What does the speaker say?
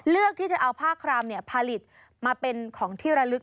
เลือกที่จะเอาผ้าครามผลิตมาเป็นของที่ระลึก